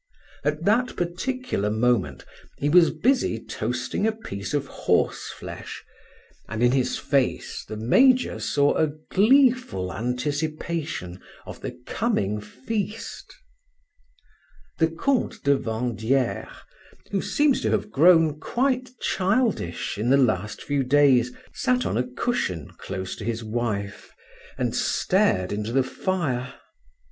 At that particular moment he was busy toasting a piece of horseflesh, and in his face the major saw a gleeful anticipation of the coming feast. The Comte de Vandieres, who seemed to have grown quite childish in the last few days, sat on a cushion close to his wife, and stared into the fire.